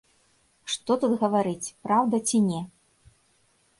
Што тут гаварыць, праўда ці не?